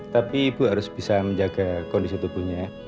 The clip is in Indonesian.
tapi ibu harus bisa menjaga kondisi tubuhnya